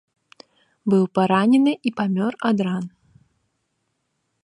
Быў паранены і памёр ад ран.